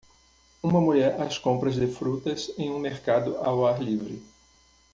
Uma mulher às compras de frutas em um mercado ao ar livre